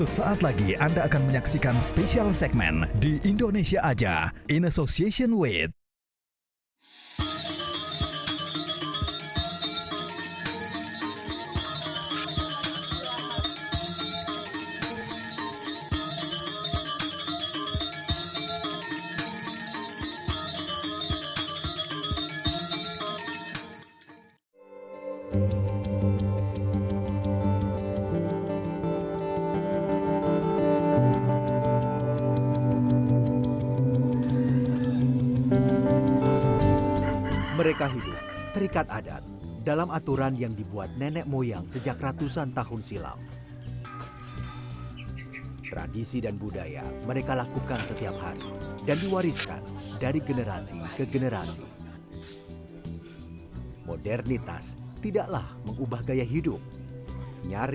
sampai jumpa di video selanjutnya